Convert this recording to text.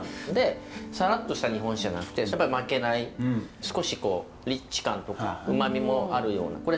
でサラッとした日本酒じゃなくて負けない少しリッチ感とか旨みもあるような。